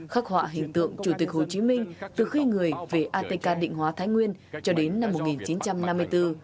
khắc họa hình tượng chủ tịch hồ chí minh từ khi người về atk định hóa thái nguyên cho đến năm một nghìn chín trăm năm mươi bốn